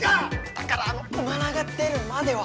だからあのおならが出るまでは。